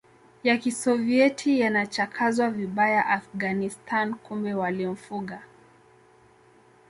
ya Kisovieti yanachakazwa vibaya Afghanistan kumbe walimfuga